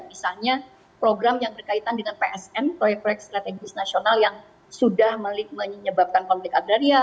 misalnya program yang berkaitan dengan psm proyek proyek strategis nasional yang sudah menyebabkan konflik agraria